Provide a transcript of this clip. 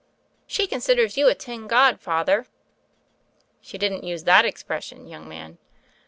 "She considers you a tin god. Father." "She didn't use that expression, young man."